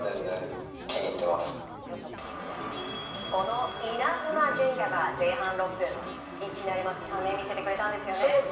そのイナズマ純也は前半６分いきなり見せてくれたんですよね。